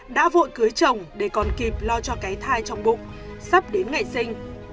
đã vội cưới trồng để còn kịp lo cho cái thai trong bụng sắp đến ngày sinh